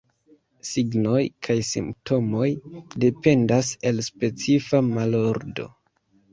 Signoj kaj simptomoj dependas el specifa malordo.